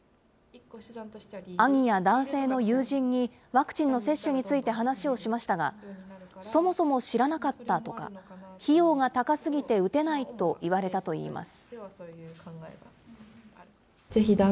兄や男性の友人にワクチンの接種について話をしましたが、そもそも知らなかったとか、費用が高すぎて打てないと言われたといいます。